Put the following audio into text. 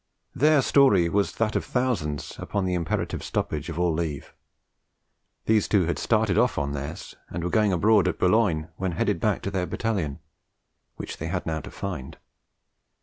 Their story was that of thousands upon the imperative stoppage of all leave. These two had started off on theirs, and were going aboard at Boulogne when headed back to their Battalion, which they had now to find.